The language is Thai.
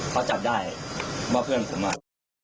เขาจัดได้ว่าเพื่อนสมมติ